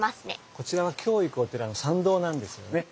こちらは今日行くお寺の参道なんですよね。